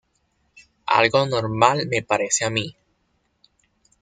Algo normal me parece a mi".